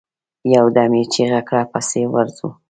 يودم يې چيغه کړه! پسې ورځو.